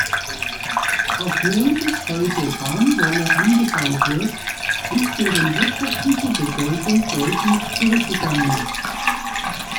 Obwohl bis heute Baumwolle angebaut wird, ist deren wirtschaftliche Bedeutung deutlich zurückgegangen.